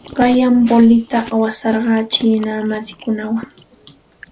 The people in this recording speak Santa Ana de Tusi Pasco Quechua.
Qanyan voleyta awasarqaa chiina masiikunawan.